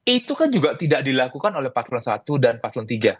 itu kan juga tidak dilakukan oleh paslon satu dan paslon tiga